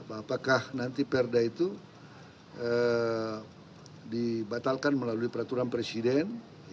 apakah nanti perda itu dibatalkan melalui peraturan presiden